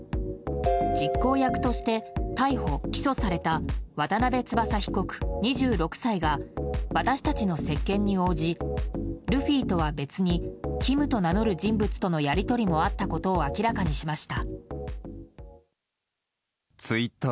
実行役として逮捕・起訴された渡邉翼被告、２６歳が私たちの接見に応じルフィとは別にキムと名乗る人物とのやり取りもあったことを明らかにしました。